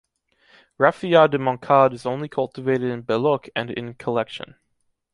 Raffiat de Moncade is only cultivated in Bellocq and in collection.